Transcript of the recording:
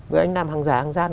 với anh nam hằng già hằng giang